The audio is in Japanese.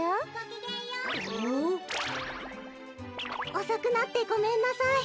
おそくなってごめんなさい。